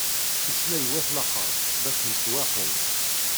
Isla i wat laxert la ttemsewwaqen.